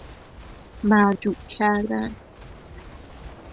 مرجوع کردن